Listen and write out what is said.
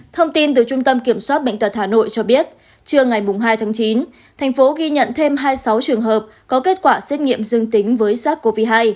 thông tin từ trung tâm kiểm soát bệnh tật hà nội cho biết trưa ngày hai tháng chín thành phố ghi nhận thêm hai mươi sáu trường hợp có kết quả xét nghiệm dương tính với sars cov hai